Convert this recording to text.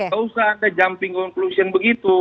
tak usah ada jumping conclusion begitu